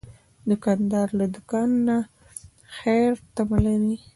دوکاندار له دوکان نه د خیر تمه لري.